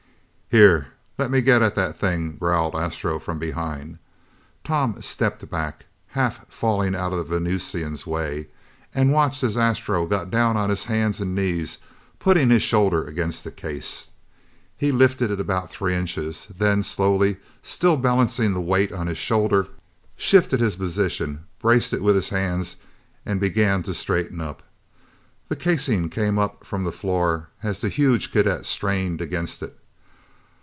"Here, let me get at that thing," growled Astro from behind. Tom stepped back, half falling out of the Venusian's way, and watched as Astro got down on his hands and knees, putting his shoulder against the case. He lifted it about three inches, then slowly, still balancing the weight on his shoulder, shifted his position, braced it with his hands and began to straighten up. The casing came up from the floor as the huge cadet strained against it.